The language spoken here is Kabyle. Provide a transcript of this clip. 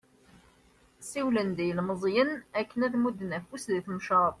Siwlen-d i yilmeẓyen akken ad d-mudden afus di tmecreḍt.